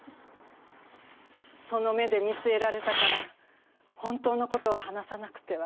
その目で見据えられたから本当の事を話さなくては。